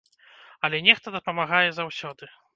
Але нехта дапамагае заўсёды.